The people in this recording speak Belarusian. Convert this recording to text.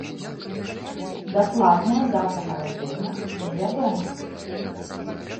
Дакладная дата нараджэння не вядома.